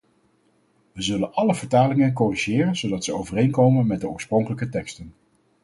We zullen alle vertalingen corrigeren zodat ze overeenkomen met de oorspronkelijke teksten.